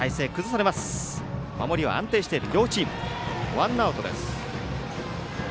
ワンアウトです。